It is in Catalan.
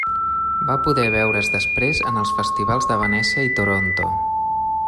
Va poder veure's després en els festivals de Venècia i Toronto.